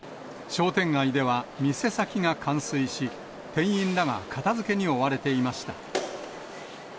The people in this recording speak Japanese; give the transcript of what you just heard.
商店街では、店先が冠水し、店員らが片づけに追われていました。